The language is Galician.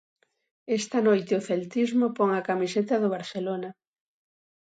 Esta noite o celtismo pon a camiseta do Barcelona.